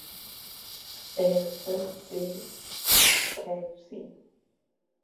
El "Sd.Kfz.